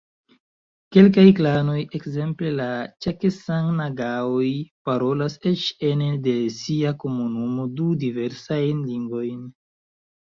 Kelkaj klanoj, ekzemple la ĉakesang-nagaoj, parolas eĉ ene de sia komunumo du diversajn lingvojn.